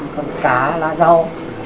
có cá lá rau